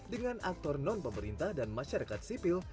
dengan aktor non pemerintah dan masyarakat sipil